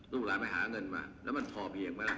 ลูกหลานไปหาเงินมาแล้วมันพอเพียงไหมล่ะ